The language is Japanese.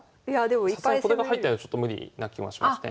さすがにこれが入ってないとちょっと無理な気はしますね。